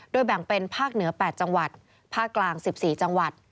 แบ่งเป็นภาคเหนือ๘จังหวัดภาคกลาง๑๔จังหวัด